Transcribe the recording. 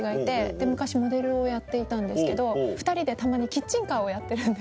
で昔モデルをやっていたんですけど２人でたまにキッチンカーをやってるんですよ。